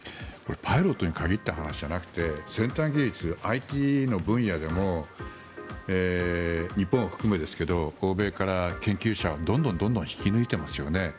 パイロットに限った話じゃなくて先端技術、ＩＴの分野でも日本を含めですが欧米から研究者をどんどん引き抜いていますよね。